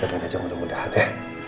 kita dendam aja mudah mudahan ya